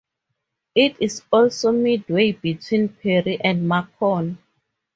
It is also midway between Perry and Macon.